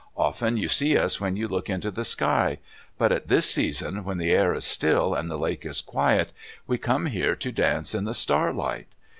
Often you see us when you look into the sky. But at this season, when the air is still and the lake is quiet, we come here to dance in the starlight."